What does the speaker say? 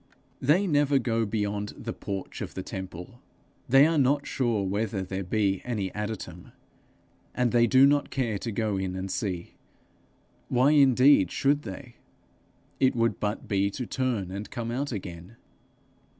They never go beyond the porch of the temple; they are not sure whether there be any adytum, and they do not care to go in and see: why indeed should they? it would but be to turn and come out again.